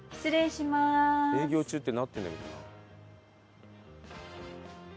営業中ってなってるんだけどな。